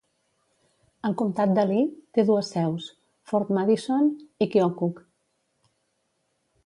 El comtat de Lee té dues seus: Fort Madison i Keokuk.